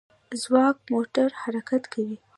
ځواک موټور حرکت کوي.